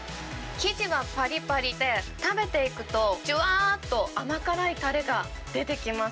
生地はぱりぱりで、食べていくと、じゅわーっと甘辛いたれが出てきます。